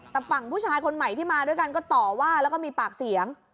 แต่ฝั่งผู้ชายคนใหม่ที่มาด้วยกันก็ต่อว่าแล้วก็มีปากเสียง